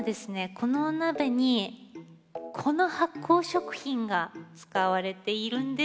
このお鍋にこの発酵食品が使われているんです。